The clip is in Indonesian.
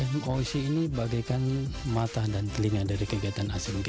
moc ini bagaikan mata dan telinga dari kegiatan asean games